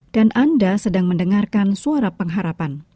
dan anda sedang mendengarkan suara pengharapan